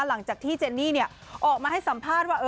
หลังจากที่เจนนี่ออกมาให้สัมภาษณ์ว่า